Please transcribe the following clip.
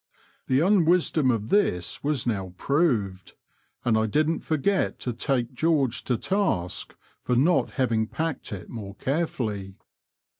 The unwisdom of this was now proved, and I didn't forget to take George to task for not having packed it more carefully.